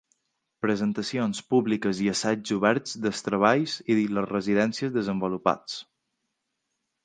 Presentacions públiques i assaigs oberts dels treballs i les residències desenvolupats.